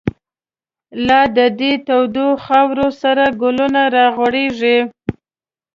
لا د دی تودو خاورو، سره گلونه را غوړیږی